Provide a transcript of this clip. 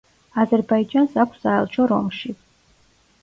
აზერბაიჯანს აქვს საელჩო რომში.